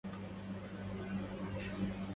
إن المكارم لا يقود جيادها